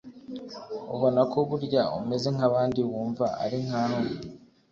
ubona ko burya umeze nk abandi wumva ari nk aho